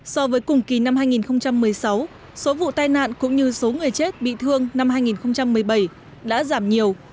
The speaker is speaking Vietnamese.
so với cùng kỳ năm hai nghìn một mươi sáu số vụ tai nạn cũng như số người chết bị thương năm hai nghìn một mươi bảy đã giảm nhiều